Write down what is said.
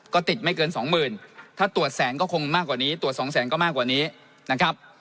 ก็ติดไม่เกินสองหมื่นถ้าตรวจแสนก็คงมากกว่านี้ตรวจสองแสนก็มากกว่านี้นะครับ